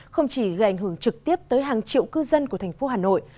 không chỉ gây ảnh hưởng trực tiếp tới hàng triệu cư dân của thành phố hà nội